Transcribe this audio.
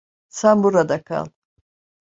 Sen burada kal.